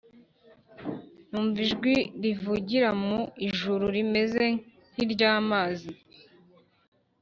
Numva ijwi rivugira mu ijuru rimeze nk’iry’amazi